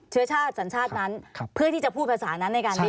เชื้อชาติสัญชาตินั้นเพื่อที่จะพูดภาษานั้นในการนี้